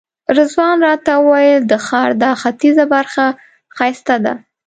رضوان راته وویل د ښار دا ختیځه برخه ښایسته ده.